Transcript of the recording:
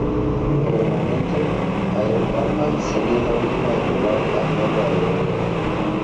Por el momento Aero Palpa seria la única en volar al nuevo aeródromo.